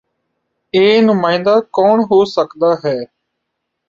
ਇਹ ਨੁਮਾਂਇੰਦਾ ਕੌਣ ਹੋ ਸਕਦਾ ਹੈ